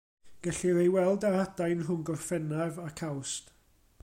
Gellir ei weld ar adain rhwng Gorffennaf ac Awst.